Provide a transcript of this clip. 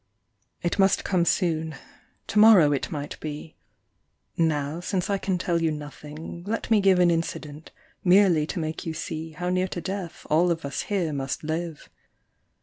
It must come soon : to morrow it might be. Now, since I can tell nothing, let me give An incident, merely to make you see How near to death all of us here must live.